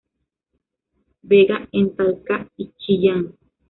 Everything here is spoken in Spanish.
Vega, en Talca y Chillán.